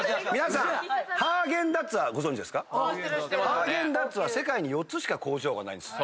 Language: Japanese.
ハーゲンダッツは世界に４つしか工場がないんです。